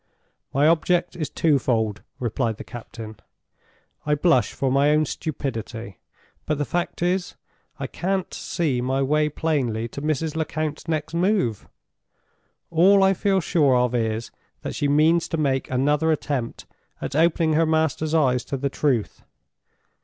"My object is twofold," replied the captain. "I blush for my own stupidity; but the fact is, I can't see my way plainly to Mrs. Lecount's next move. All I feel sure of is, that she means to make another attempt at opening her master's eyes to the truth.